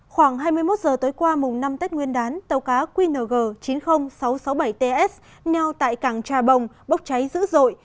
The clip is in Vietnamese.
khoảng hai mươi một giờ tối qua mùng năm tết nguyên đán tàu cá qng chín mươi nghìn sáu trăm sáu mươi bảy ts neo tại cảng trà bồng bốc cháy dữ dội